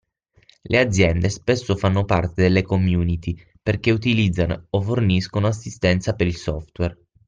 Le aziende spesso fanno parte delle community perché utilizzano o forniscono assistenza per il software.